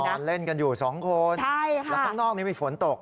นอนเล่นกันอยู่สองคนใช่ค่ะแล้วข้างนอกนี้มีฝนตก